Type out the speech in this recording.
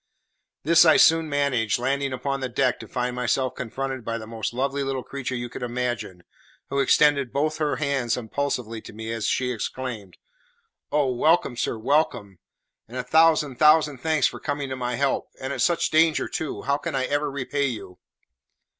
This I soon managed, landing upon the deck to find myself confronted by the most lovely little creature you can imagine, who extended both her hands impulsively to me as she exclaimed: "Oh, welcome, sir, welcome! and a thousand thousand thanks for coming to my help! and at such danger too! How can I ever repay you?"